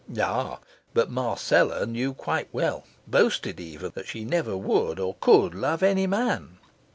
Ah, but Marcella knew quite well, boasted even, that she never would or could love any man.